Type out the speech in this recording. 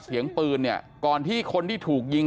เสียงปืนเนี่ยก่อนที่คนที่ถูกยิง